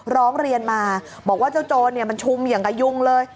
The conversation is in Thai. ร้องเรียนมาบอกว่าเจ้าโจรมันชุมอย่างกับยุงเลย